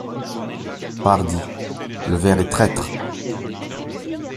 Pardi ! le verre est traître.